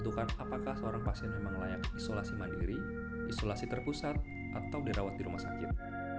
menentukan apakah seorang pasien memang layak isolasi mandiri isolasi terpusat atau dirawat di rumah sakit